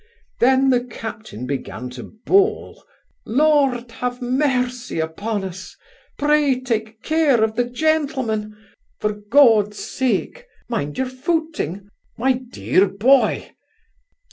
Then the captain began to bawl, 'Lord have mercy upon us! pray, take care of the gentleman! for God's sake, mind your footing, my dear boy!